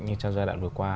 như trong giai đoạn vừa qua